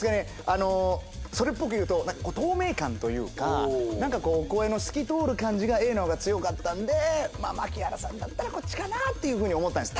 あのそれっぽく言うと透明感というかなんかこう声の透き通る感じがＡの方が強かったんで槇原さんだったらこっちかなっていうふうに思ったんです